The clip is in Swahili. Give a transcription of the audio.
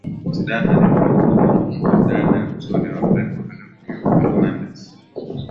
Zidane alimuoa mwana dada mzuri na mrembo Veronique Fernandez